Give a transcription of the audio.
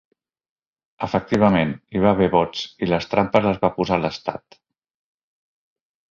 Efectivament, hi va haver vots i les trampes les va posar l’estat.